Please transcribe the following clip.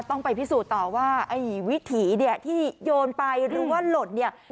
ต้องไปพิสูจน์ต่อว่าวิถีที่โยนไปหรือว่าหลดเนี่ย